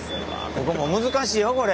ここも難しいよこれ。